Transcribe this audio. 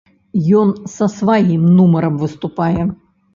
Ён са сваім нумарам выступае.